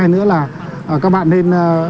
nữa là các bạn nên